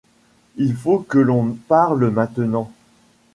Il faut que l'on parle. Maintenant !